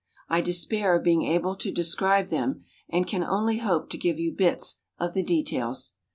I despair of being able to describe them and can only hope to give you bits of the details.